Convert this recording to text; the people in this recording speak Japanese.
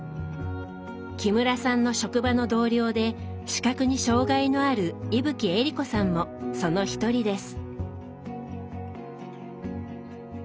木村さんの職場の同僚で視覚に障害のある伊吹えり子さんもその一人です。